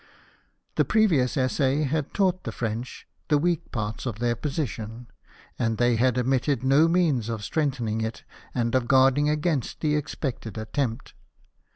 The previous essay had taught the French the weak parts of their position ; and they had omitted no means of strengthening it and of guarding against the expected attempt.